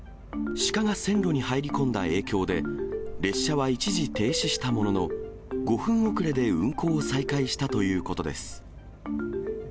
鹿が線路に入り込んだ影響で、列車は一時停止したものの、５分遅れで運行を再開したということです。